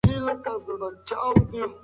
آس په کوهي کې یوازې نه و پاتې.